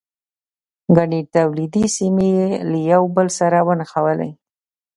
ګڼې تولیدي سیمې یې له یو بل سره ونښلولې.